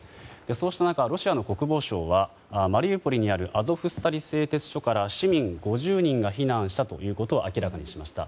そうした中、ロシアの国防省はマリウポリにあるアゾフスタリ製鉄所から市民５０人が避難したことを明らかにしました。